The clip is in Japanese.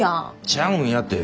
ちゃうんやて。